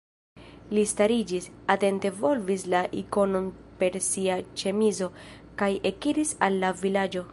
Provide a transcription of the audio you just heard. Li stariĝis, atente volvis la ikonon per sia ĉemizo kaj ekiris al la vilaĝo.